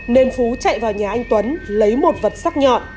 nên phú chạy vào nhà anh tuấn lấy một vật sắc nhọn